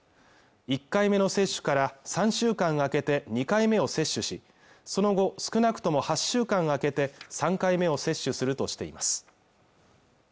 １回目の接種から３週間空けて２回目を接種しその後少なくとも８週間空けて３回目を接種するとしています